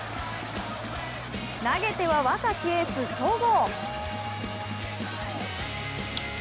投げては若きエース・戸郷。